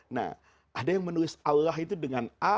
nah ada yang menulis allah itu dengan a